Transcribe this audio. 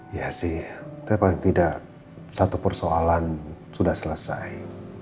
iya sih tapi paling tidak satu persoalan sudah selesai